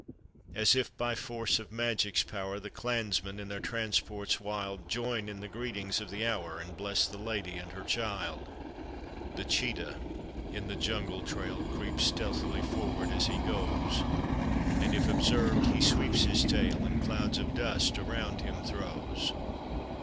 As if by force of magic's power, The clansmen, in their transports wild, Join in the greetings of the hour, And bless the lady and her child. The cheetah in the jungle trail Creeps stealthy forward as he goes, And, if observed, he sweeps his tail And clouds of dust around him throws.